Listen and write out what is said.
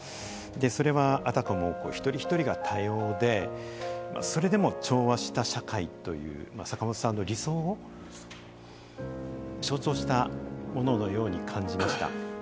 それはあたかも一人一人が多様で、それでも調和した社会という坂本さんの理想を象徴したもののように感じました。